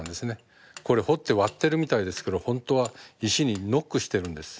これ彫って割ってるみたいですけど本当は石にノックしてるんです。